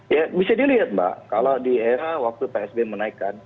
ya bisa dilihat mbak kalau di era waktu psb menaikkan